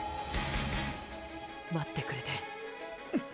待ってくれて。